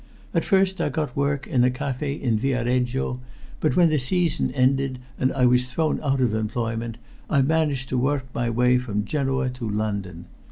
At first I got work at a café in Viareggio, but when the season ended, and I was thrown out of employment, I managed to work my way from Genoa to London.